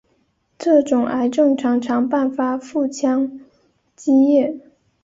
这种癌症常常伴发腹腔积液。